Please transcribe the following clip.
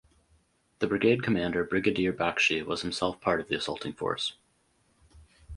The Brigade commander Brigadier Bakshi was himself part of the assaulting force.